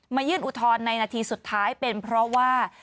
ยื่นอุทธรณ์ในนาทีสุดท้ายเป็นเพราะว่า